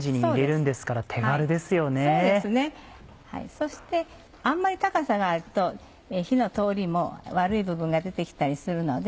そしてあんまり高さがあると火の通りも悪い部分が出て来たりするので。